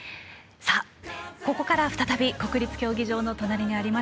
ここからは再び国立競技場の隣にあります